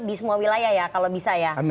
di semua wilayah ya kalau bisa ya